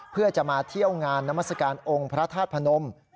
เพื่อจะมาเที่ยวงานนามัศกาลองค์พระธาตุพนม